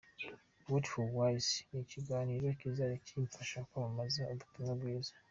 Word For Wise ni ikiganiro kizajya kimfasha kwamamaza ubutumwa bwiza.